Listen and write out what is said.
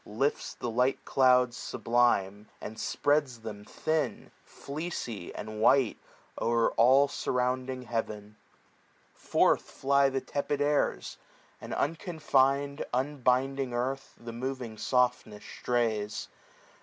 Lifts the light clouds sublime; and spreads them thin, 3a . Fleecy and white, o'er all svirrounding heaven. SPRING. Forth fly the tepid airs ; and unconfin'd, Unbinding earth, the moving softness strays.